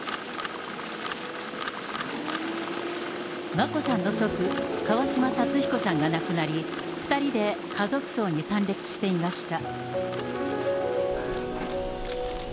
眞子さんの祖父、川嶋辰彦さんが亡くなり、２人で家族葬に参列していました。